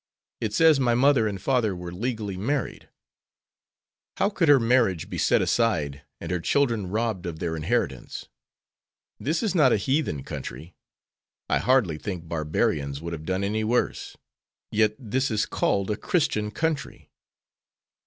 It says my mother and father were legally married. How could her marriage be set aside and her children robbed of their inheritance? This is not a heathen country. I hardly think barbarians would have done any worse; yet this is called a Christian country."